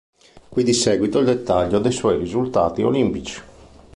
Qui di seguito il dettaglio dei suoi risultati olimpici.